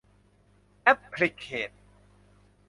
แอพพลิแคด